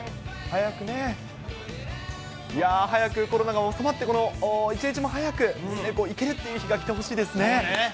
早くコロナが収まって、一日も早く行けるっていう日が来てほしいですね。